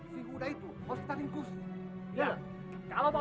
si udah itu hospital lingkus